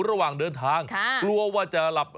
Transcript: ระหว่างเดินทางกลัวว่าจะหลับ